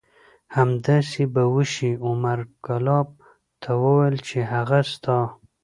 همداسې به وشي. عمر کلاب ته وویل چې هغه ستا